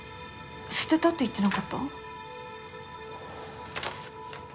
捨てたって言ってなかった？